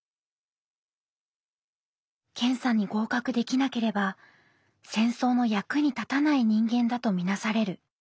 検査に合格できなければ戦争の役に立たない人間だと見なされる。